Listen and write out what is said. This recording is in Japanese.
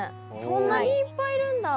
そんなにいっぱいいるんだ。